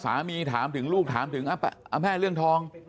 ถามถึงลูกถามถึงแม่เรื่องทอง